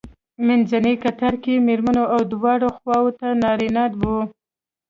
منځنی کتار کې مېرمنې او دواړو خواوو ته نارینه وو.